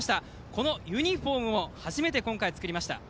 このユニフォームも初めて今回作りました。